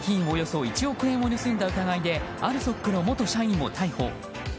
およそ１億円を盗んだ疑いでＡＬＳＯＫの元社員を逮捕。